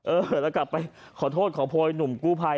เออแล้วกลับไปขอโทษขอโพยหนุ่มกู้ภัย